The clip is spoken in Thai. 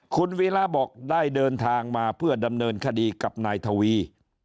คุณวีระบอกได้เดินทางมาเพื่อดำเนินคดีกับนายทวี